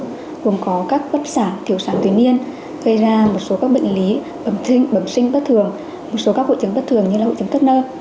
gồm có các bất sản thiểu sản tuyến niên gây ra một số các bệnh lý bẩm sinh bất thường một số các hội chứng bất thường như là hội chứng cấp nơ